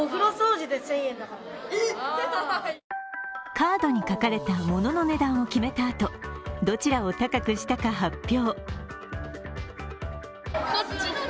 カードに書かれた物の値段を決めたあと、どちらを高くしたか発表。